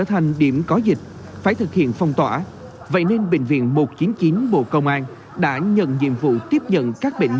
thậm chí không tin sai sự thật về tình hình dịch bệnh